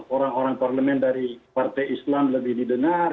orang orang parlement dari partai islam lebih didenar